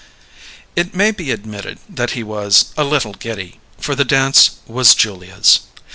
It may be admitted that he was a little giddy, for the dance was Julia's.